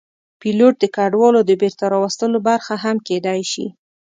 پیلوټ د کډوالو د بېرته راوستلو برخه هم کېدی شي.